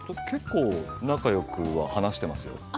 結構仲よくは話していますよ。